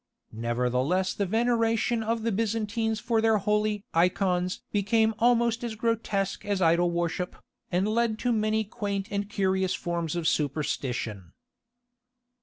Nevertheless the veneration of the Byzantines for their holy "Eikons" became almost as grotesque as idol worship, and led to many quaint and curious forms of superstition.